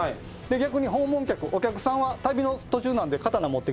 逆にお客さん旅の途中なんで。